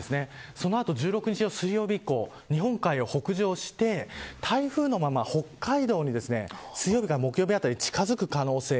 その後１６日の水曜日以降日本海を北上して台風のまま、北海道に水曜日から木曜日あたり近づく可能性が。